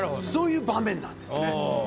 そういう場面なんですね。